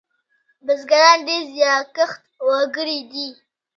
بزگران ډېر زیارکښ وگړي دي.